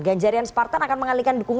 ganjarian spartan akan mengalihkan dukungan